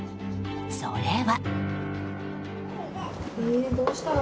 それは。